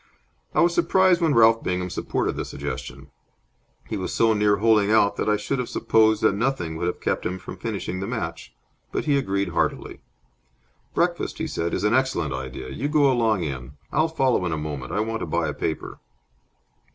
I was surprised when Ralph Bingham supported the suggestion. He was so near holing out that I should have supposed that nothing would have kept him from finishing the match. But he agreed heartily. "Breakfast," he said, "is an excellent idea. You go along in. I'll follow in a moment. I want to buy a paper."